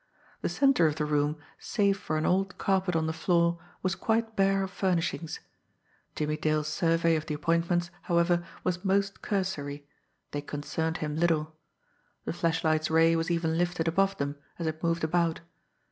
The centre of the room, save for an old carpet on the floor, was quite bare of furnishings. Jimmie Dale's survey of the appointments, however, was most cursory they concerned him little. The flashlight's ray was even lifted above them, as it moved about.